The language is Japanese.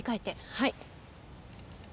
はい。